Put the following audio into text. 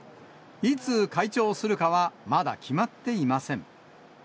いつ開庁するかは、まだ決まっていません。